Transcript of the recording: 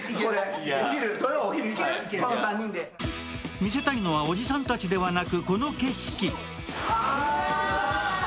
見せたいのはおじさんたちではなくこの景色。